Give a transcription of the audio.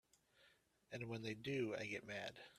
And when they do I get mad.